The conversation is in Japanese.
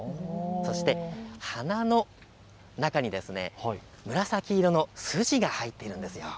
そして、花の中に紫色の筋が入っているんです。